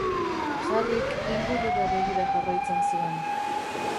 Harryk ingurura begira jarraitzen zuen.